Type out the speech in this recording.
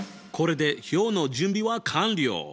これで表の準備は完了！